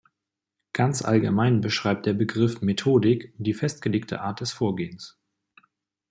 Ganz allgemein beschreibt der Begriff "Methodik" die festgelegte Art des Vorgehens.